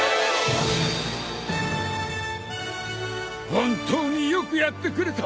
本当によくやってくれた。